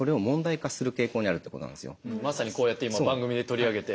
まさにこうやって今番組で取り上げて。